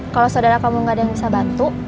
kalau saudara kamu gak ada yang bisa bantu